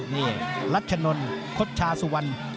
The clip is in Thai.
นี่รัชนนคดชาสุวรรณ